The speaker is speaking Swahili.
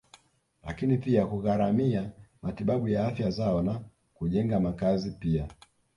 Lakini pia kugharimia matibabu ya afya zao na kujenga makazi pia